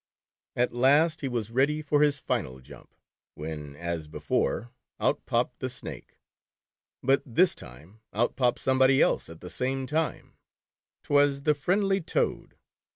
At last, he was ready for his final jump, when as before, out popped the Snake. But this time out popped somebody else at the same time —' t was the friendly Toad.